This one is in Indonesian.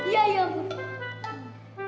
ya lihat aja madam